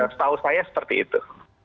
setahu saya seperti itu